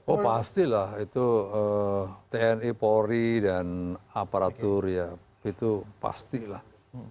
oh pastilah itu tni polri dan aparatur ya itu pastilah